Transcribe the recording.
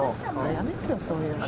やめてよそういうの。